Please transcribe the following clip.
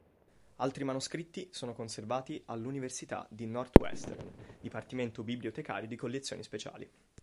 Altri manoscritti sono conservati all'Università di Northwestern, dipartimento bibliotecario di collezioni speciali.